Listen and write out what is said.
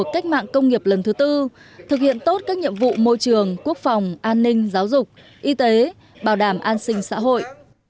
các bộ nông nghiệp và phát triển nông thôn công thương ngoại giao tiếp tục đàm phán